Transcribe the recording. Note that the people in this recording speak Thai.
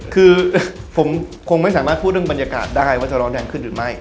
คือผมคงไม่สามารถพูดเรื่องบรรยากาศได้ว่าจะร้อนแรงขึ้นหรือไม่